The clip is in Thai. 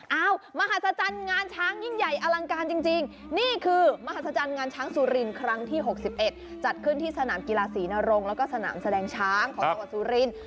มหาศจรรย์งานช้างยิ่งใหญ่อลังการจริงนี่คือมหัศจรรย์งานช้างสุรินครั้งที่๖๑จัดขึ้นที่สนามกีฬาศรีนรงค์แล้วก็สนามแสดงช้างของจังหวัดสุรินทร์